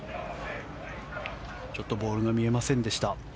ちょっとボールが見えませんでした。